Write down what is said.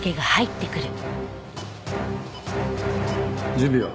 準備は？